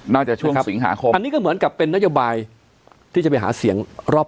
ช่วงสิงหาคมอันนี้ก็เหมือนกับเป็นนโยบายที่จะไปหาเสียงรอบ